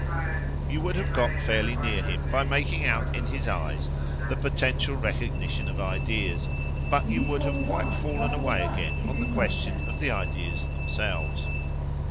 You would have got fairly near him by making out in his eyes the potential recognition of ideas; but you would have quite fallen away again on the question of the ideas themselves.